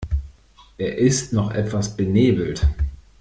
Er ist noch etwas benebelt.